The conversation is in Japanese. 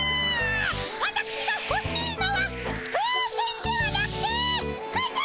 わたくしがほしいのは風船ではなくてくつ！